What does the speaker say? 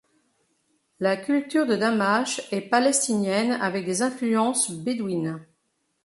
La culture de Dahmash est palestinienne avec des influences bédouines.